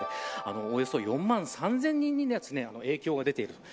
およそ４万３０００人に影響が出ています。